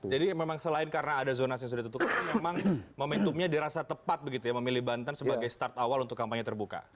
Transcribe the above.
jadi memang selain karena ada zonas yang sudah ditutupkan memang momentumnya dirasa tepat begitu ya memilih banten sebagai start awal untuk kampanye terbuka